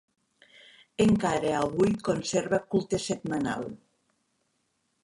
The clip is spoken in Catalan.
Encara avui conserva culte setmanal.